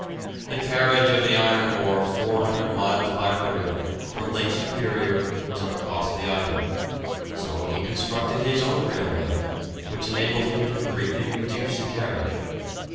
The carriage of the iron ore 400 miles by rail, from Lake Superior, was a costly item, so he constructed his own railway, which enabled him to greatly reduce the carriage.